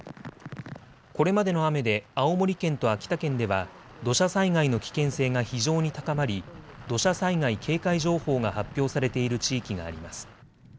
これまでの雨で青森県と秋田県では土砂災害の危険性が非常に高まり土砂災害警戒情報が発表されている地域があります。